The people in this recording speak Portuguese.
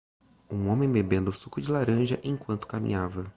Um homem bebendo suco de laranja enquanto caminhava.